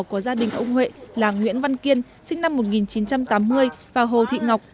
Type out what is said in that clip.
của gia đình ông huệ là nguyễn văn kiên sinh năm một nghìn chín trăm tám mươi và hồ thị ngọc